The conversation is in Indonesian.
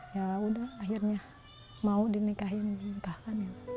ya udah akhirnya mau dinikahin dinikahkan ya